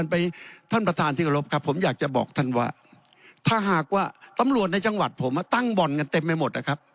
ท่านประธานที่กรบครับผมอยากจะบอกท่านว่าถ้าหากว่าตำรวจในจังหวัดผมตั้งบ่อนกันเต็มไปหมดนะครับ